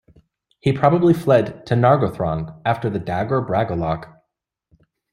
He probably fled to Nargothrond after the Dagor Bragollach.